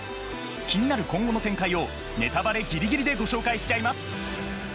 気になる今後の展開をネタバレぎりぎりでご紹介しちゃいます。